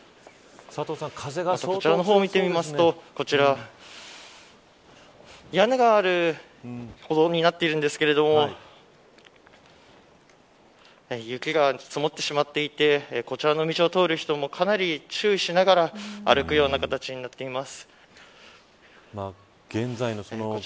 こちらの方を見てみますと屋根がある歩道になっているんですが雪が積もってしまっていてこちらの道を通る人もかなり注意しながら歩くような形になっています。